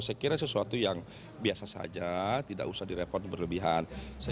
saya kira sesuatu yang biasa saja tidak usah direpot berlebihan